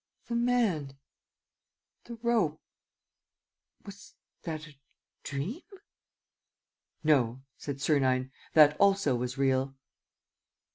"The man ... the rope ... was that a dream? ..." "No," said Sernine. "That also was real."